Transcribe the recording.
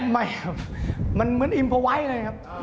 ไม่ครับมันเหมือนอิมเพอร์ไวท์เลยครับ